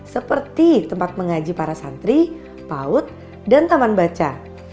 seperti tempat mengaji para santri paut dan taman baca